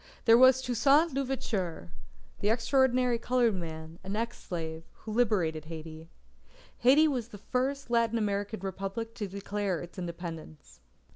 There was Toussaint l'Ouverture, the extraordinary coloured man, an ex slave, who liberated Haiti. Haiti was the first Latin American Republic to declare its Independence.